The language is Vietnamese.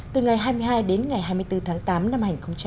từ ngày hai mươi hai đến ngày hai mươi bốn tháng tám năm hai nghìn một mươi chín